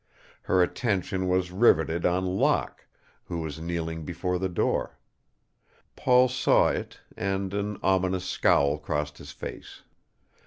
Her attention was riveted on Locke, who was kneeling before the door. Paul saw it and an ominous scowl crossed his face.